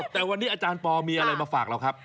แต่วันนี้อาจารย์ปอมีอะไรมาฝากเราครับ